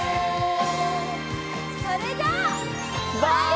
それじゃあ。